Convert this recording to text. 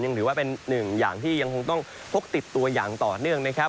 ถือว่าเป็นหนึ่งอย่างที่ยังคงต้องพกติดตัวอย่างต่อเนื่องนะครับ